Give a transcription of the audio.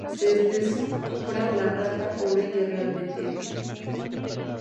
se descubra la rata pobre que realmente eres